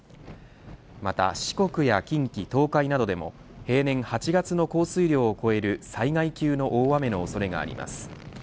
また四国や近畿、東海などでも平年８月の降水量を超える災害級の大雨の恐れがあります。